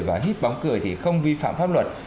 và hít bóng cười thì không vi phạm pháp luật